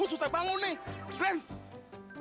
gue susah bangun nih glenn